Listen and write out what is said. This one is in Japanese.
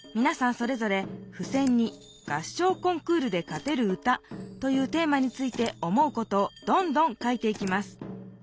それぞれふせんに「合唱コンクールで勝てる歌」というテーマについて思うことをどんどん書いていきます。